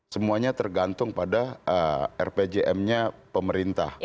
semuanya tergantung pada rpjm nya pemerintah